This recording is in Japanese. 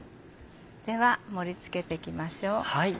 では盛り付けていきましょう。